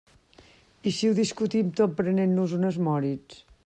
I si ho discutim tot prenent-nos unes Moritz?